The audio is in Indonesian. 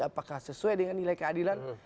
apakah sesuai dengan nilai keadilan